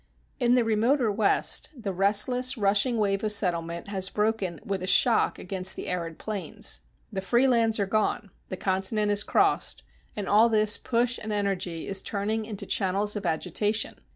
In the remoter West, the restless, rushing wave of settlement has broken with a shock against the arid plains. The free lands are gone, the continent is crossed, and all this push and energy is turning into channels of agitation.